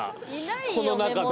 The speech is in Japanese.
この中で。